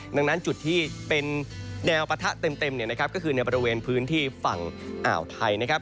ดังนั้นจุดที่เป็นแนวปะทะเต็มก็คือในบริเวณพื้นที่ฝั่งอ่าวไทยนะครับ